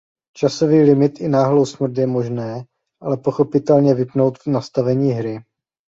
Časový limit i náhlou smrt je možné ale pochopitelně vypnout v nastavení hry.